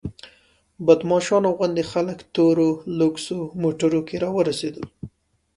بدماشانو غوندې خلک تورو لوکسو موټرو کې راورسېدل.